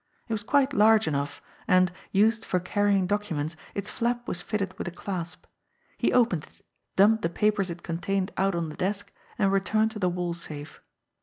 It was quite large enough, and, used for carrying documents, its flap was fitted with a clasp. He opened it, dumped the papers it contained out on the desk, and returned to the wall safe.